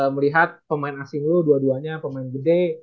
melihat pemain asing lo dua duanya pemain gede